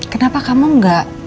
kenapa kamu gak